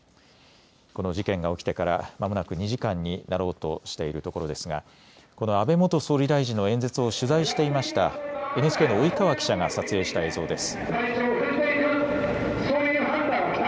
この事件が起きてからまもなく２時間になろうとしているところですがこの安倍元総理大臣の演説を取材していましたＮＨＫの及川記者が撮影した映像です。